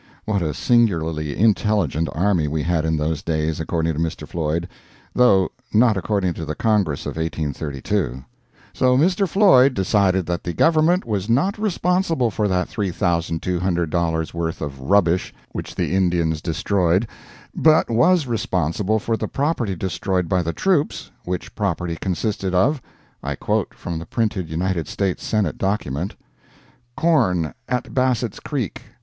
[What a singularly intelligent army we had in those days, according to Mr. Floyd though not according to the Congress of 1832.] So Mr. Floyd decided that the Government was not responsible for that $3,200 worth of rubbish which the Indians destroyed, but was responsible for the property destroyed by the troops which property consisted of (I quote from the printed United States Senate document): Dollars Corn at Bassett's Creek